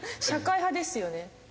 社会派ですよね。